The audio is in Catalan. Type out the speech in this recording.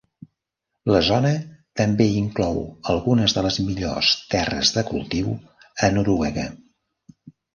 La zona també inclou algunes de les millors terres de cultiu a Noruega.